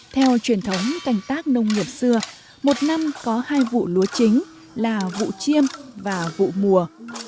theo truyền thống canh tác nông nghiệp xưa một năm có hai vụ lúa chính là vụ chiêm và vụ mùa